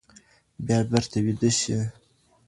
بیا بېرته ویده شئ.